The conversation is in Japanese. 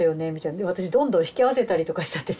で私どんどん引き合わせたりとかしちゃってて。